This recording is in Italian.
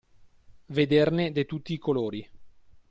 Vederne de tutti i colori.